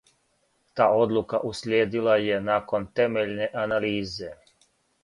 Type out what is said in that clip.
Та одлука услиједила је након темељне анализе.